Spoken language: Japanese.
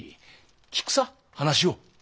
聞くさ話を。